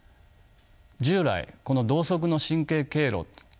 従来この同側の神経経路